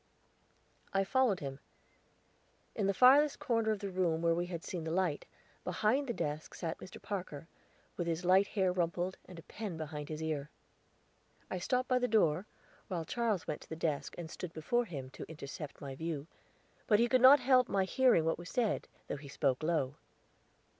I followed him. In the farthest corner of the room where we had seen the light, behind the desk, sat Mr. Parker, with his light hair rumpled, and a pen behind his ear. I stopped by the door, while Charles went to the desk and stood before him to intercept my view, but he could not help my hearing what was said, though he spoke low.